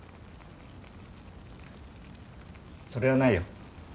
それはないよ。